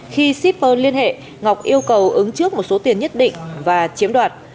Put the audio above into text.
khi shipper liên hệ ngọc yêu cầu ứng trước một số tiền nhất định và chiếm đoạt